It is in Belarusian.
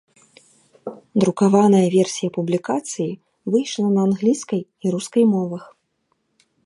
Друкаваная версія публікацыі выйшла на англійскай і рускай мовах.